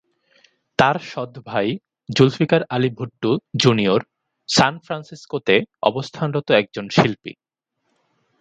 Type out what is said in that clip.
তার সৎ ভাই জুলফিকার আলী ভুট্টো জুনিয়র সান ফ্রান্সিসকোতে অবস্থানরত একজন শিল্পী।